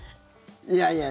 いやいや。